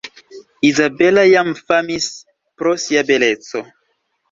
Izabela jam famis pro sia beleco.